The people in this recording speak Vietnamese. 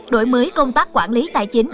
đổi mới công tác quản lý tài chính